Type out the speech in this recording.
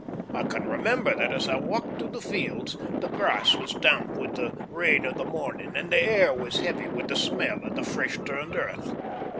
I can remember that as I walked through the fields the grass was damp with the rain of the morning, and the air was heavy with the smell of the fresh turned earth.